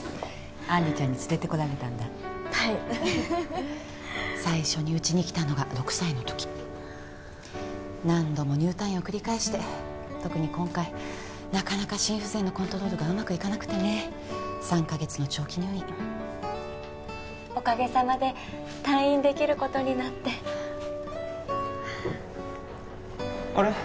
杏里ちゃんに連れてこられたんだはい最初にうちに来たのが６歳のとき何度も入退院を繰り返して特に今回なかなか心不全のコントロールがうまくいかなくてね３カ月の長期入院おかげさまで退院できることになってあれ？